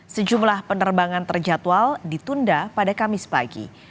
sejumlah penerbangan terjadwal ditunda pada kamis pagi